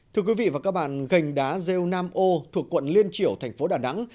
thưa quý vị và các bạn gành đá rêu nam ô thuộc quận liên triểu thành phố đà nẵng